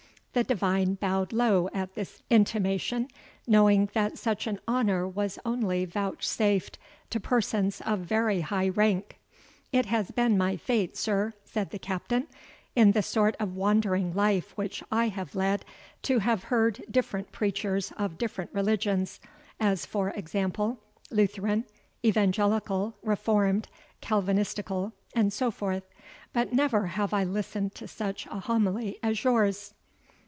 The divine bowed low at this intimation, knowing that such an honour was only vouchsafed to persons of very high rank. "It has been my fate, sir," said the Captain, "in the sort of wandering life which I have led, to have heard different preachers of different religions as for example, Lutheran, Evangelical, Reformed, Calvinistical, and so forth, but never have I listened to such a homily as yours."